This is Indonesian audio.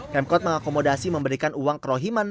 pemkot mengakomodasi memberikan uang kerohiman